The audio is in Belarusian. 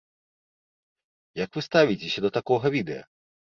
Як вы ставіцеся да такога відэа?